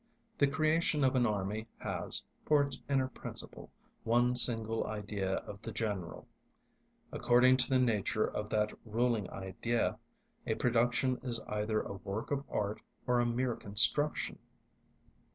The creation of an army has, for its inner principle, one single idea of the General. According to the nature of that ruling idea, a production is either a work of art or a mere construction.